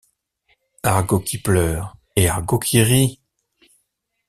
Argot qui pleure et argot qui rit